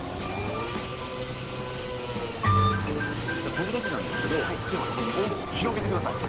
飛ぶ時なんですけど手は横に大きく広げてください。